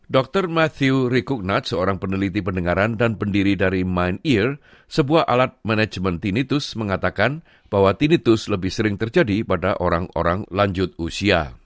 dr matthew rikuknat seorang peneliti pendengaran dan pendiri dari mine year sebuah alat manajemen tinitus mengatakan bahwa tinitus lebih sering terjadi pada orang orang lanjut usia